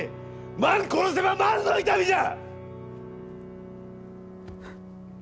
万殺せば、万の痛みじゃ！